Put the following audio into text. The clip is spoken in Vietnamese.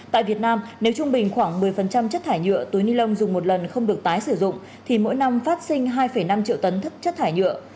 tại việt nam nếu trung bình khoảng một mươi chất thải nhựa túi ni lông dùng một lần không được tái sử dụng thì mỗi năm phát sinh hai năm triệu tấn thất chất thải nhựa